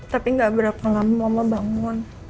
tapi gak berapa lama mama bangun